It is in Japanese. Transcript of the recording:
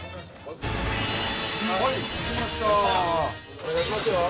お願いしますよ。